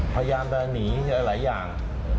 พยายามจะหนีหลายอย่าง